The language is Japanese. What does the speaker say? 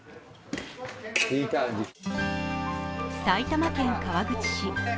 埼玉県川口市。